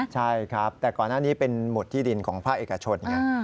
ใช่ครับแต่ก่อนหน้านี้เป็นหมดที่ดินของภาคเอกชนไง